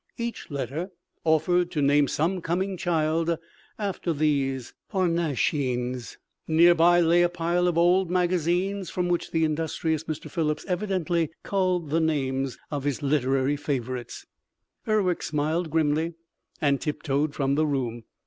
Each letter offered to name some coming child after these Parnassians. Near by lay a pile of old magazines from which the industrious Mr. Phillips evidently culled the names of his literary favorites. Urwick smiled grimly and tiptoed from the room.